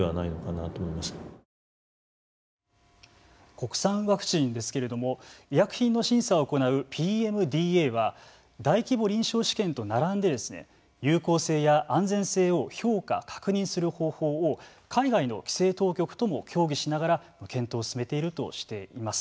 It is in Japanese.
国産ワクチンですけれども医薬品の審査を行うＰＭＤＡは大規模臨床試験と並んで有効性や安全性を評価・確認する方法を海外の規制当局とも協議しながら検討を進めているとしています。